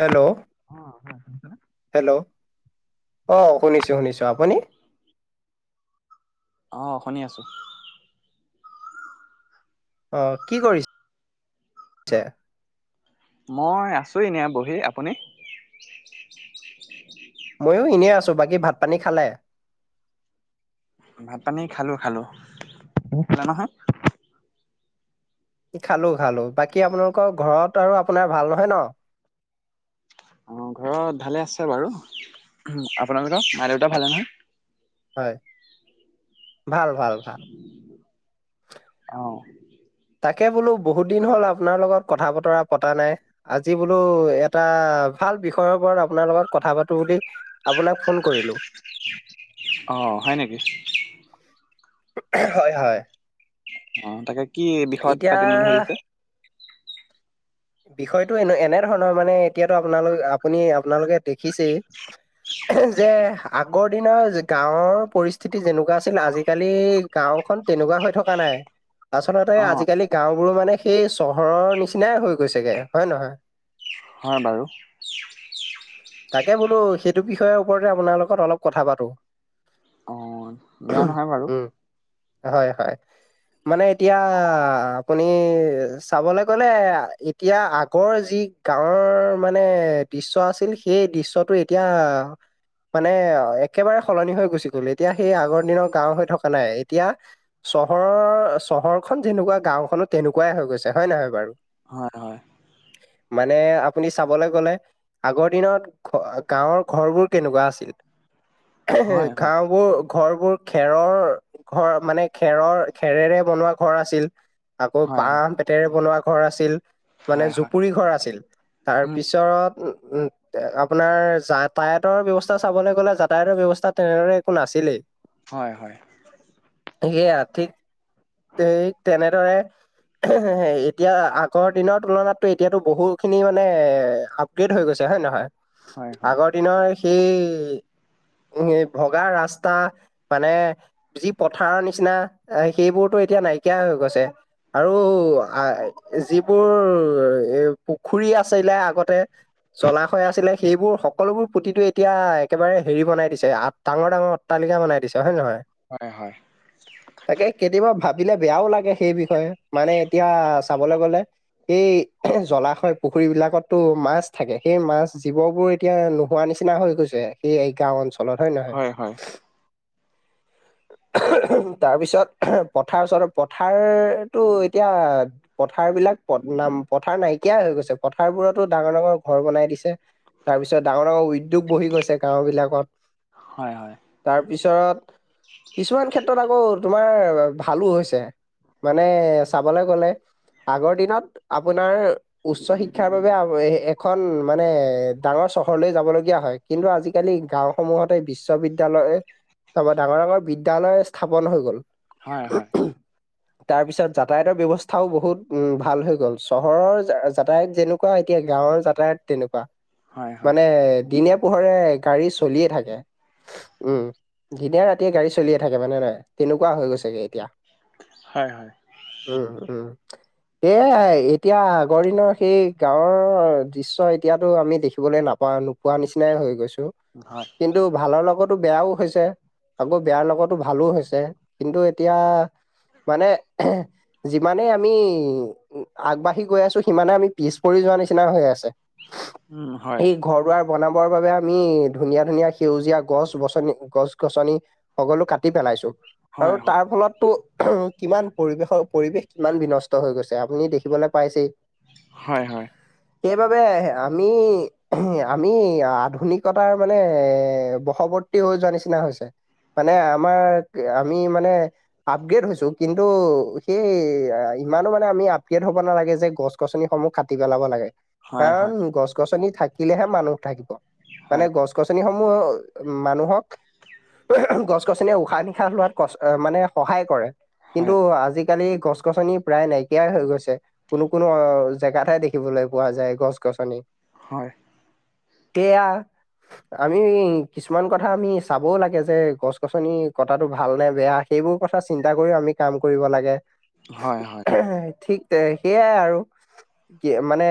Hello, hello, অ' শুনিছো শুনিছো, আপুনি? অ', শুনি আছো। অ', কি কৰি আছে? মই আছো এনেই বহী। আপুনি? মইয়ো এনেই আছো। বাকী ভাত পানী খালে? ভাত পানী, খালো খালো [unintelligible] নহয়। খালো খালো, বাকী আপোনালোকৰ ঘৰত আৰু আপোনাৰ ভাল নহয় ন? [inaudible] অ', ঘৰত ভালে আছে বাৰু। আপোনালোকৰ, মা দেউতা ভালে নহয়? হয়, ভাল ভাল ভাল। অ'। তাকে বোলো বহুত দিন হ'ল আপোনাৰ লগত কথা বতৰা পতা নাই, আজি বোলো এটা ভাল বিষয়ৰ ওপৰত আপোনাৰ লগত কথা পাতো বোলি, আপোনাক ফোন কৰিলোঁ। অ' হয় নেকি? হয় হয়। অ', তাকে কি বিষয়ত এতিয়া পাতিম বুলি ভাবিছে? বিষয়টো এনে এনে ধৰণৰ মানে, এতিয়াতো আপোনালোক আপুনি আপোনালোকে দেখিছেই যে আগৰ দিনৰ গাঁৱৰ পৰিস্থিতি যেনেকুৱা আছিল আজিকালি গাঁৱৰ খন তেনেকুৱা হৈ থকা নাই আচলতে অ আজিকালি গাওঁবোৰো মানে সেই চহৰৰ নিচিনাই হৈ গৈছে গে, হয় নে নহয়? হয় বাৰু। তাকে বোলো সেইটো বিষয়ৰ ওপৰতে আপোনাৰ লগত অলপ কথা পাতো। অ' বেয়া নহয় বাৰু। উম হয় হয়, মানে এতিয়া আপুনি চাবলৈ গ'লে এ এতিয়া আগৰ যি গাঁৱৰ মানে দৃশ্য আছিল, সেই দৃশ্যটো এতিয়া মানে একেবাৰে সলনি হৈ গুচি গল, এতিয়া সেই আগৰ দিনৰ গাঁও হৈ থকা নাই। এতিয়া চহৰৰ চহৰখন যেনেকুৱা গাঁওখনো তেনেকুৱাই হৈ গৈছে, হয় নহয় বাৰু? হয় হয়। মানে, আপুনি চাবলৈ গলে আগৰ দিনত গাঁৱৰ ঘৰবোৰ কেনেকুৱা আছিল হয় হয় গাওঁবোৰ ঘৰবোৰ খেৰৰ, ঘৰ মানে খেৰৰ খেৰেৰে বনোৱা ঘৰ আছিল। আকৌ হয় হয় হয় বাঁহ বেতেৰে বনোৱা ঘৰ আছিল, মানে হয় হয় জুপুৰি ঘৰ আছিল। তাৰ উম পিছত, উম আপোনাৰ যাতায়াতৰ ব্যৱস্থা চাবলে গ'লে যাতায়াতৰ ব্যৱ অৱস্থা তেনেদৰে একো নাছিলেই। হয় হয়। সেয়া ঠিক, তেনেদৰে এ-এতিয়া আগৰ দিনৰ তুলনাতো এতিয়াতো বহুখিনি মানে আপগ্ৰেড হৈ গৈছে, হয় নে নহয়? হয় আগৰ দিনৰ সেই উম এই ভগা ৰাস্তা, মানে যি পথাৰৰ নিচিনা সেইবোৰতো এতিয়া নাইকিয়া হৈ গৈছে, আৰু আ যিবোৰ পুখুৰী আছিলে আগতে, জলাশয় আছিলে, সেইবোৰ সকলোবোৰ পুতিটো এতিয়া একেবাৰে হেৰি বনাই দিছে আ ডাঙৰ ডাঙৰ অট্টালিকা বনাই দিছে হয় নে নহয় [unintelligible] হয় হয় তাকে কেতিয়াবা ভাবিলে বেয়াও লাগে সেই বিষয়ে মানে এতিয়া চাবলৈ গলে এই জলাশয় পুখুৰী বিলাকতো মাছ থাকে সেই মাছ জীৱ বোৰ এতিয়া নোহোৱা [unintelligible] নিচিনা হৈ গৈছে সেই গাওঁ অঞ্চলত হয় নহয় [unintelligible] [inaudible] তাৰপিছত পথাৰৰ ওচৰত পথাৰতটো এতিয়া পথাৰবিলাক নাম পথাৰ নাইকিয়া হৈ গৈছে পথাৰবোৰতো ডাঙৰ ডাঙৰ ঘৰ বনাই দিছে তাৰ পিছত ডাঙৰ ডাঙৰ উদ্যোগ বহি গৈছে গাওঁ বিলাকত হয় হয় তাৰ পিছত কিছুমান ক্ষেত্ৰত আকৌ তোমাৰ ভালো হৈছে মানে চাবলৈ গলে আগৰ দিনত আপোনাৰ উচ্চ শিক্ষাৰ বাবে এখন মানে ডাঙৰ চহৰলৈ যাবলৈ [unintelligible] হয় কিন্তু আজিকালি গাওঁসমূহতে [unintelligible] বিশ্ববিদ্যালয় তাপা ডাঙৰ ডাঙৰ বিদ্যালয় স্থাপন হৈ গ'ল হয় হয় তাৰ পিছত যাতায়তৰ ব্যৱস্থাও বহুত উম ভাল হৈ গল চহৰৰ যাতায়ত যেনেকুৱা এতিয়া গাঁৱৰ যাতায়ত তেনেকুৱা হয় মানে দিনে পোহৰে গাড়ী চলিয়ে থাকে উম দিনে ৰাতিয়ে গাড়ী চলিয়ে থাকে মানে নহয় তেনেকুৱা হৈ গৈছেগে এতিয়া হয় হয় উম উম সেয়াই এতিয়া আগৰ দিনৰ সেই গাঁৱৰ দৃশ্য এতিয়াতো আমি দেখিবলৈ নাপা নোপোৱা নিচিনা হৈ গৈছো হয় কিন্তু ভালৰ লগত বেয়াও হৈছে আকৌ বেয়াৰ লগতো ভালো হৈছে কিন্তু এতিয়া মানে যিমানেই আমি আগবাঢ়ি গৈ আছোঁ সিমানে আমি পিছ পৰি যোৱাৰ নিচিনা হৈ আছে উম হয় এই ঘৰ দুৱাৰ বনাবৰ বাবে আমি ধুনীয়া ধুনীয়া সেউজীয়া গছ গছনি গছ গছনি সকলো কাটি পেলাইছো [unintelligible] হয় আৰু হয় তাৰ ফলতো উম কিমান পৰিৱেশৰ পৰিৱেশ কিমান বিনষ্ট হৈ গৈছে আপুনি দেখি [unintelligible] শিকিবলৈ পাইছেই হয় হয় সেইবাবে আমি আমি আধুনিকতাৰ মানে বশৱৰ্তী [unintelligible] তী হৈ যোৱাৰ নিচিনা হৈছে [unintelligible] মানে আমাৰ আমি মানে আপগ্ৰেড হৈছো কিন্তু সেই ইমানো মানে আমি আপগ্ৰেড হ'ব নালাগে যে গছ গছনিসমূহ কাটি পেলাব লাগে হয় কাৰণ গছ গছনিত [unintelligible] থাকিলেহে মানুহ থাকিব হয় মানে গছ গছনিসমূহ মানুহক গছ গছনিয়ে উশাহ নিশাহ লোৱাত কষ্ট মানে সহায় কৰে কিন্তু হয় আজিকালি গছ গছনি প্ৰায় নাইকিয়াই হৈ গৈছে কোনো কোনো জেগাতহে দেখিবলৈ পোৱা যায় গছ গছনি [unintelligible] হয় তেয়া আমি কিছুমান কথা আমি চাবও লাগে যে গছ গছনি কটাটো ভাল নে বেয়া সেইবোৰ কথা চিন্তা কৰিও আমি কাম কৰিব লাগে হয় হয় তে সেইয়াই আৰু কি মানে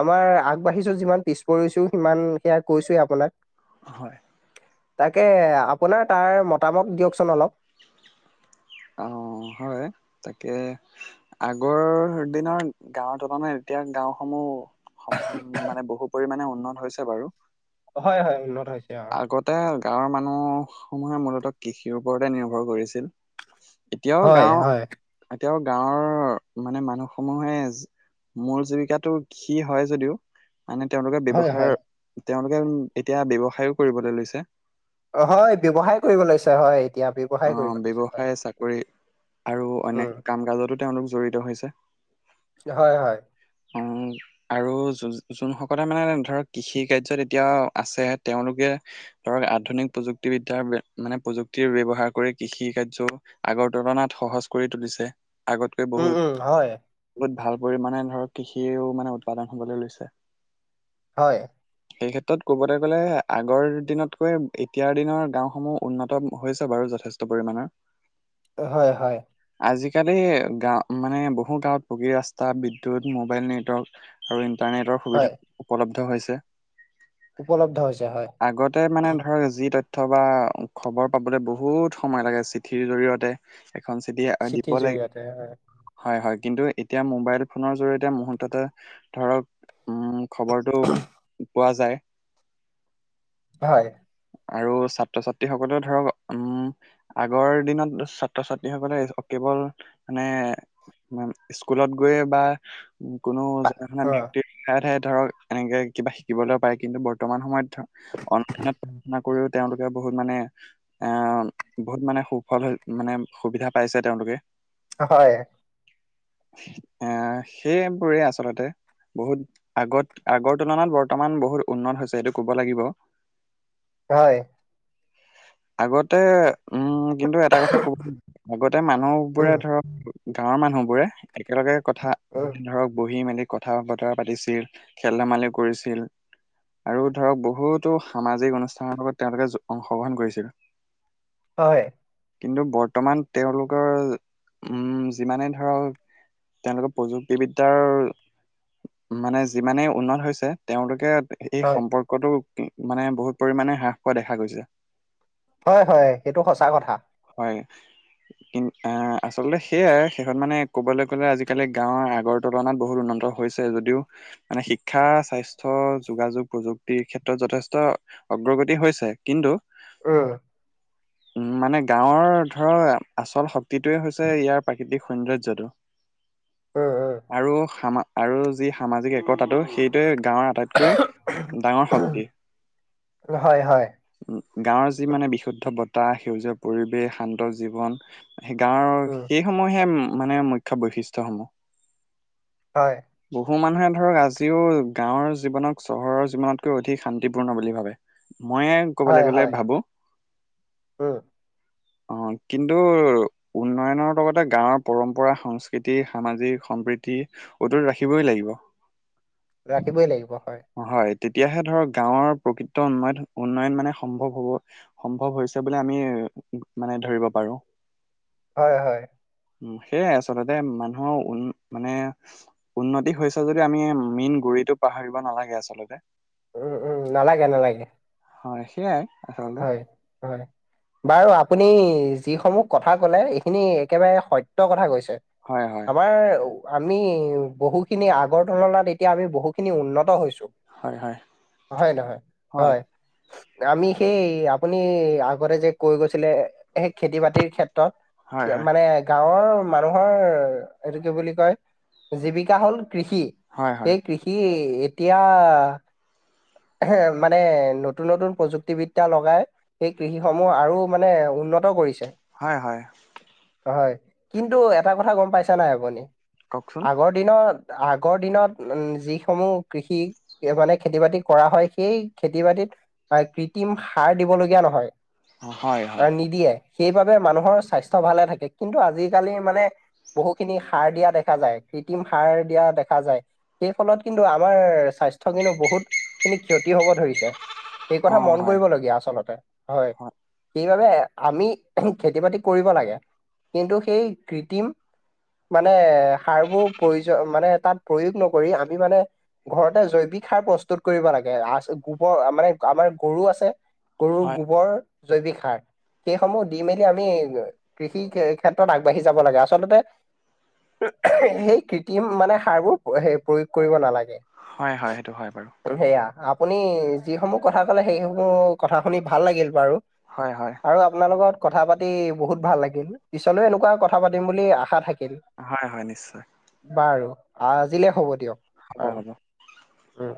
আমাৰ আগবাঢ়িছো যিমান পিছ পৰিছো সিমান সেয়া কৈছোয়ে আপোনাক হয় তাকে আপোনাৰ তাৰ মতামত দিয়কচোন অলপ অ হয় তাকে আগৰ দিনৰ গাঁৱত অনা নাই এতি এতিয়া গাওসমূহ মানে বহু পৰিণে উন্নত হৈছে বাৰু [unintelligible] হয় হয় উন্নত। হৈছে অ আগতে গাঁৱৰ মানুহ। সমূহে মূলত কৃষিৰ ওপৰতে নিৰ্ভৰ কৰিছিল? হয় হয়। তেওঁৰ গাঁৱৰ মানে মানুহ সমূহে। মোৰ জীৱিকাটো কি হয় যদিও? মনেে তেওঁলোকে হয় হয় ব্যৱসায় তেওঁলোকে এতিয়া ব্যৱসায়ো কৰিবলৈ লৈছে। হয় ব্যৱসায় কৰিব লৈছে হয়। এতিয়া ব্যৱসায় অ কৰিব লৈছে হয় ব্যৱসায় চাকৰি আৰু অনে উম কাম কাজতো তেওঁলোক? জড়িত হৈছে। হয় হয় অ আৰু যোনসকলে মানে ধৰক কৃষি কাৰ্যত এতিয়া আছে তেওঁলোকে? ধৰক আধুনিক প্ৰযুক্তিবিদ্যাৰ মানে প্ৰযুক্তিৰ ব্যৱহাৰ। কৃষি কাৰ্য আগৰ তুলনাত সহজ কৰি তুলিছে? আগতকৈ উম বহুত উম হয় বহুত ভাল। পৰিমাণে ধৰক কৃষিও মানে উৎপাদন হবলৈ লৈছে? হয় সেই ক্ষেত্ৰত ক'বলৈ গ'লে আগৰ দিনতকৈ এতিয়াৰ দিনৰ গাঁওসমূহ উন্নত হৈছে বাৰু যথ। যথেষ্ট পৰিমাণৰ। হয় হয় আজিকালি গাঁ মানে বহু গাঁৱত পকী ৰাস্তা, বিদ্যুৎ, মোবাইল নেটৱৰ্ক আৰু ইন ইণ্টাৰনেটৰ হয় সুবিধা উপলব্ধ হৈছে। টিটিটি উপলব্ধ হৈছে হয় অহ্ আগতে মানে ধৰা যি তথ অথবা খবৰ পাবলৈ বহুত সময় লাগে চিঠিৰ জৰিয়তে ইহ্ এখন চিঠিয়ে দিব চিঠিৰ লাগে। জৰিয়তে হয় হয় কিন্তু এতিয়া মোবাইল ফোনৰ জৰিয়তে মুহূৰ্ততে আহ্ ধৰক মোক খবৰটোও পোৱা যায়। হয়। আৰু ছাত্ৰ-ছাত্ৰী সকলেও ধৰক, উম আগৰ দিনত ছাত্ৰ-ছাত্ৰী সকলে অ কেৱ গ'ল, মানে উম স্কুলত গৈয়ে বা অহ্ উ কোনো জনা শুনা হয় ব্যক্তিৰ ঠাইয়ে ঠাইত ধৰক এনেকে কিবা শিকিবলৈ পাৰে, কিন্তু বৰ্তমান সময়ত ধৰ অনলাইনত পঢ়াশুনা কৰিও তেওঁলোকে বহুত মানে এএএ বহুত মানে সুফল মানে সুবিধা পায় পাইছে তেওঁলোকে উচ্ অ হয়। সিইই ইত্ এহ সেইবোৰেই আচলতে বহুত আগত আগৰ তুলনাত বৰ্তমান বহুত উন্নত হৈছে এইটো কব লাগিব। হয়। সেইয়া আগতে উম ওওও কিন্তু এটা কথা কব কিন্তু আগতে মানুহবোৰে উম ধৰক গাঁৱৰ মানুহবোৰে একেলগে কথা উম দিন-দিনধৰক বহি মেলি কথা-বতৰা পাতিছিল খেল-ধেমালি কৰিছিল আৰু ধৰক বহুতো সামাজিক অনুষ্ঠানৰ লগত তেওঁলোকে যো অংশগ্ৰহণ কৰিছিল। হয়। কিন্তু বৰ্তমান তেওঁলোকৰ উম যিমানে ধৰক তেওঁলোকৰ প্ৰযুক্তিবিদ্যাৰ মানে, যিমানেই উন্নত হৈছে তেওঁলোকে এ এ এই হয় সম্পৰ্কটোক মানে বহুত পৰিমাণে হ্ৰাস পোৱা দেখা গৈছে। হয় হয়, সেইটো সঁচা কথা। হয় নে? কিন্তু আহ আচলতে সেয়াই শেইষত মানে ক'বলৈ গ'লে আজিকালি গাঁৱৰ আগৰ তুলনাত বহুত উন্নত। হৈছে যদিও মানে শিক্ষা, স্বাস্থ্য, যোগাযোগ প্ৰযুক্তিৰ ক্ষেত্ৰত যথেষ্ট অগ্ৰগতি হৈছে কিন্তু উম উম মানে গাঁৱৰ ধৰা আচল শক্তিটোৱে হৈছে ইয়াৰ প্ৰাকৃতিক সৌন্দৰ্যটো উম উম আৰু সামা আৰু যি সামাজিক একতাটো সেইটোৱে গাঁৱৰ আটাইতকৈ ডাঙৰ শক্তি হয় হয় উ- গাঁৱৰ যি মানে বিশুদ্ধ বতাহ, সেউজীয়া পৰিৱেশ, শান্ত জীৱন সেই গাঁৱৰ উম সেই সমূহহে মানে মুখ্য বৈশিষ্ট-সমূহ হয়। বহু মানুহে ধৰা আজিও গাঁৱৰ জীৱনক চহৰৰ জীৱনতকৈ অধিক শান্তিপূৰ্ণ বুলি ভাবে। মইয়ে হয় ক'বলে গ'লে হয় ভাবো উম অ কিন্তু উ উন্নয়নৰ লগতে গাঁৱৰ পৰম্পৰা, সংস্কৃতি, সামাজিক-সম্প্ৰীতি অটুট ৰাখিবই লাগিব। ৰাখিবই লাগিব হয়। তেতিয়াহে ধৰক গাঁৱৰ প্ৰকৃত উন্মাধন উন্নয়ন মানে সম্ভৱ হ'ব সম্ভৱ হৈছে বুলি আমি উহু উহু উ মানে ধৰিব পাৰো। হয় হয়। উ সেয়াই আচলতে মানুহৰ উন মানে উন্নতি হৈছে যদি আমি মেইন গুৰি ইটো পাহৰিবা নালাগে আচলতে উম উম নালাগে নালাগে। হয় সেয়াই আচলতে হয় হয় বাৰু আপুনি যিসমূহ কথা কলে এইখিনি একেবাৰে সত্য কথা কৈছে হয় হয় আমাৰ আমি বহু খিনি আগৰ তুলনাত এতিয়া আমি বহু খিনি উন্নত হৈছো হয় হয় হয় নহয় হয় আমি এই আপুনি আগতে যে কৈ গৈছে আছিলে সেই খেতি বাতিৰ ক্ষেত্ৰত হয় হয় মানে গাঁৱৰ মানুহৰ এইটো কি বুলি কয় জীৱিকা হ'ল কৃষি হয় হয় সেই কৃষি এতিয়া মানে নতুন নতুন প্ৰযুক্তি বিদ বিদ্যা লগাই সেই কৃষিসমূহ আৰু মানে উন্নত কৰিছে হয় হয় হয় কিন্তু এটা কথা গম পাইছা নাই আপুনি কওকচোন আগৰ দিনত আগৰ দিনত উম যিসমূহ কৃষি মানে খেতি বাতি কৰা হয় সেই খেতি বাতিত আ কৃত্ৰিম সাৰ দিবলগীয়া নহয় হয় হয় আৰু নিদিয়ে সেইবাবে মানুহৰ স্বাস্থ্য ভালে থাকে কিন্তু আজিকালি মানে বহু খিনি সাৰ দিয়া দেখা যায় কৃত্ৰিম সাৰ দিয়া দেখা যায় সেই ফলত কিন্তু আমাৰ স্বাস্থ্য কিন্তু বহুত খিনি ক্ষতি হব ধৰিছে এই অ কথা মন হয় কৰিবলগীয়া আচলতে হয় সেই বাবে আমি খেতি বাতি কৰিব লাগে কিন্তু সেই কৃত্ৰিম মানে সাৰবোৰ প্ৰয়োজ মানে তাত প্ৰয়োগ নকৰি আমি মানে ঘৰতে জৈৱিক সাৰ প্ৰস্তুত কৰিব লাগে আ ছ গোবৰ মানে আমাৰ গৰু আছে ছে গৰুৰ হয় গোবৰ জৈৱিক সাৰ সেইসমূহ দি মেলি আমি কৃষি খে ক্ষেত্ৰত আগবাঢ়ি যাব লাগে আচলতে সেই কৃত্ৰিম মানে সাৰবোৰ হে প্ৰয়োগ কৰিব নালাগে গে হয় হয় সেইটো হয় বাৰু উম সেয়া আপুনি যিসমূহ কথা ক'লে সেইসমূহ কথা শুনি ভাল লাগিল বাৰু হয় হয় আৰু আপোনালগত কথা পাতি বহুত ভাল লাগিল পিছলৈও এনেকুৱা কথা পাতিম বুলি আশা থাকি হয় হয় নিশ্চয় আজিলে হ'ব দিয়ক হ'ব বাৰু হ'ব উম